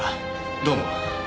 どうも。